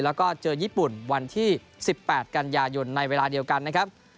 แล้วก็เจอญี่ปุ่นวันที่๑๘กันยายนในเวลาเดียวกันนะครับ